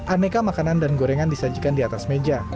aneka makanan dan gorengan disajikan di atas meja